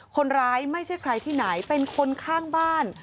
ไม่ใช่ใครที่ไหนเป็นคนข้างบ้าน